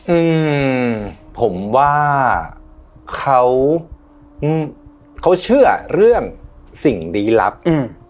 อืมผมว่าเขาอืมเขาเขาเชื่อเรื่องสิ่งลี้ลับอืม